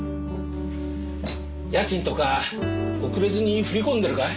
家賃とか遅れずに振り込んでるかい？